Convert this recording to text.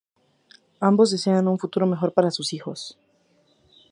Ambos desean un futuro mejor para sus hijos.